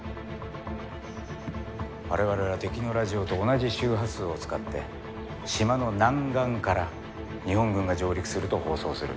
我々は敵のラジオと同じ周波数を使って島の南岸から日本軍が上陸すると放送する。